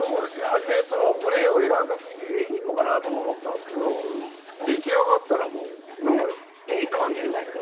はじめグレーを選んだ時に「えいいのかな？」とか思ったんすけど出来上がったらもうなんかいい感じですね。